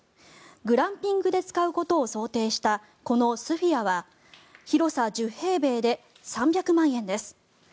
グランピングで使うことを想定したこのＳｐｈｅｒｅは広さ１０平米で３００万円です。